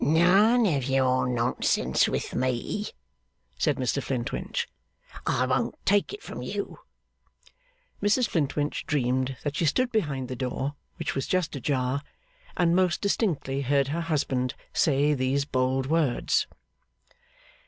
'None of your nonsense with me,' said Mr Flintwinch. 'I won't take it from you.' Mrs Flintwinch dreamed that she stood behind the door, which was just ajar, and most distinctly heard her husband say these bold words.